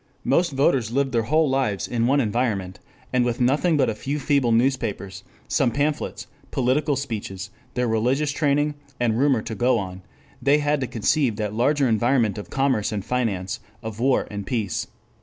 Most voters lived their whole lives in one environment, and with nothing but a few feeble newspapers, some pamphlets, political speeches, their religious training, and rumor to go on, they had to conceive that larger environment of commerce and finance, of war and peace.